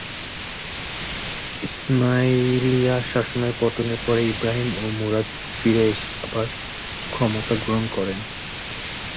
ইসমাইলিয়া-শাসনের পতনের পরে ইব্রাহিম ও মুরাদ ফিরে এসে আবার ক্ষমতা গ্রহণ করেন।